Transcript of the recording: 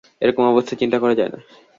এরকম অবস্থা চিন্তা করা যায় না।